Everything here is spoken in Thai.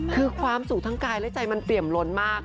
คือความสุขทั้งกายและใจมันเปรียมล้นมาก